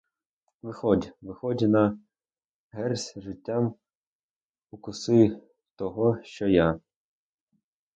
Виходь, виходь на герць з життям, укуси того, що я!